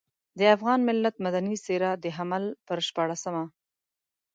د افغان ملت مدني څېره د حمل پر شپاړلسمه.